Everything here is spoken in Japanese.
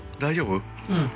うん。